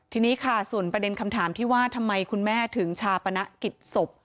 ทีนี้ค่ะส่วนประเด็นคำถามที่ว่าทำไมคุณแม่ถึงชาปนกิจศพ